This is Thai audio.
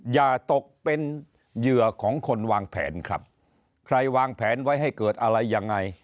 อย่าตกเป็นเหยื่อของคนวางแผนครับใครวางแผนไว้ให้เกิดอะไรยังไง